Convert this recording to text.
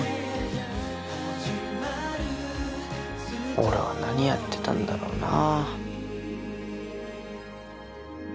俺は何やってたんだろうなぁ。